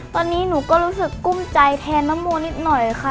ตอนนี้หนูก็รู้สึกกุ้มใจแทนนโมนิดหน่อยค่ะ